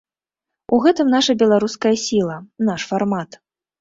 У гэтым наша беларуская сіла, наш фармат.